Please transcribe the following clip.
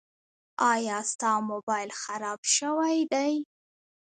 ایا ستا مبایل خراب شوی ده؟